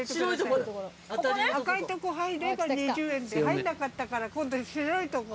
赤いとこ入れば２０円で入んなかったから今度白いとこ。